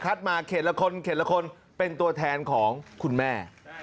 คัดมาเขตละคนเป็นตัวแทนของคุณแม่